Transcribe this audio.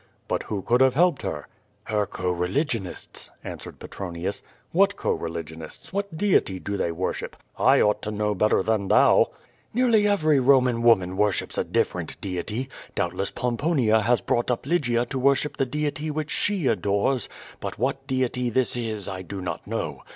"But who could have helped her?" "Her co religionists," answered Petronius. "What co religionists? What deity do they worship? 1 ought to know better than thou." "Nearly every Boman woman worships a different deity. Doubtless Pomponia has brought up Lygia to worship the deity which she adores, but what deity this is I do not know.